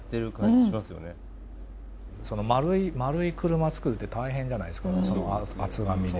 丸い車作るって大変じゃないですか厚紙で。